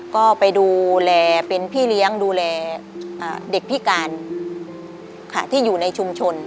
ก็ไปดูแลเป็นพี่เลี้ยงดูแลเด็กพิการค่ะที่อยู่ในชุมชน